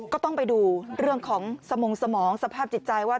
ก็ต้องไปดูเรื่องของสมงสมองสภาพจิตใจว่า